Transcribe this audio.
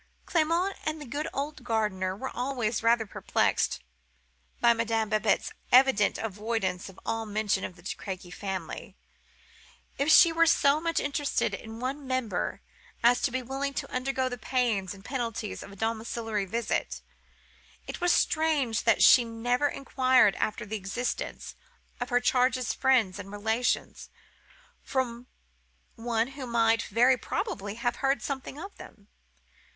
"Clement and the good old gardener were always rather perplexed by Madame Babette's evident avoidance of all mention of the De Crequy family. If she were so much interested in one member as to be willing to undergo the pains and penalties of a domiciliary visit, it was strange that she never inquired after the existence of her charge's friends and relations from one who might very probably have heard something of them.